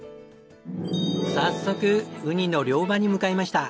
早速ウニの漁場に向かいました。